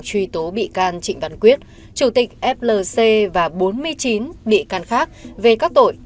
truy tố bị can trịnh văn quyết chủ tịch flc và bốn mươi chín bị can khác về các tội